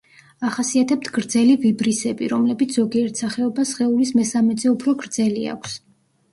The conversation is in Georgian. ახასიათებთ გრძელი ვიბრისები, რომლებიც ზოგიერთ სახეობას სხეულის მესამედზე უფრო გრძელი აქვს.